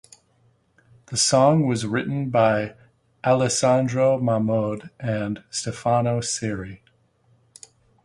The song was written by Alessandro Mahmoud and Stefano Ceri.